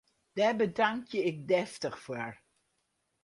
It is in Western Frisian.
Dêr betankje ik deftich foar!